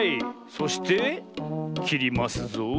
そしてきりますぞ。